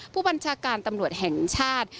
ผู้บัญชาการตำรวจแห่งชาติ